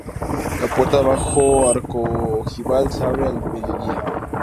La puerta, bajo arco ojival, se abre al mediodía.